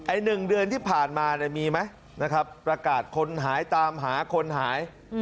ไอ้หนึ่งเดือนที่ผ่านมามีไหมนะครับประกาศคนหายตามหาคนหาย